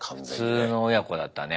普通の親子だったね